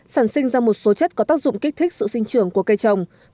sản sinh ra một số chất có tác dụng kích thích sự sinh trưởng của cây trồng